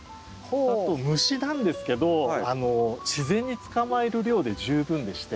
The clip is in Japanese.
あと虫なんですけど自然に捕まえる量で十分でして。